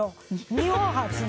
日本初の。